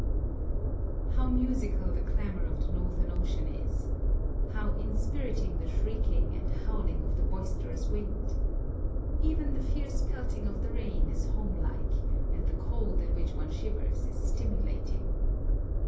How musical the clamour of the northern ocean is! How inspiriting the shrieking and howling of the boisterous wind! Even the fierce pelting of the rain is home like, and the cold in which one shivers is stimulating!